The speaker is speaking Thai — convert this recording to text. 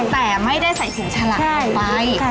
แต่ไม่ได้ใส่ถุงฉลากออกไป